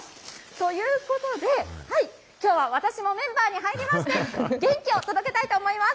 ということで、きょうは私もメンバーに入りまして、元気を届けたいと思います。